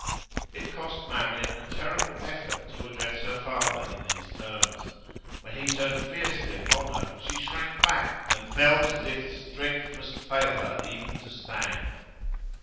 It cost Marian a terrible effort to address her father in these terms. When he turned fiercely upon her, she shrank back and felt as if strength must fail her even to stand.